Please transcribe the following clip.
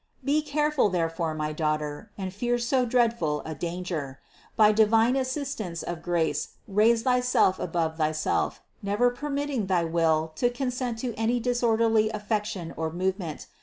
442. Be careful therefore, my daughter, and fear so dreadful a danger; by divine assistance of grace raise thyself above thyself, never permitting thy will to consent to any disorderly affection or movement.